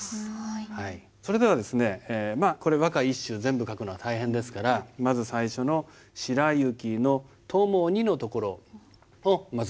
それではですね和歌一首全部書くのは大変ですからまず最初の「しらゆきのともに」のところをまず書いてみましょうか。